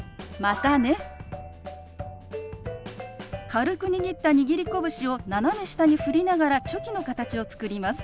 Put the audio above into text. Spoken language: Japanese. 軽く握った握り拳を斜め下に振りながらチョキの形を作ります。